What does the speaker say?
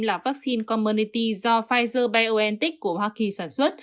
là vaccine commernity do pfizer biontech của hoa kỳ sản xuất